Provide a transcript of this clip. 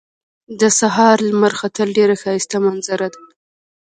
د سهار لمر ختل ډېر ښایسته منظره ده